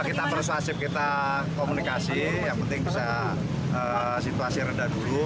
kita persuasif kita komunikasi yang penting bisa situasi rendah dulu